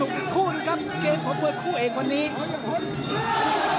ทอด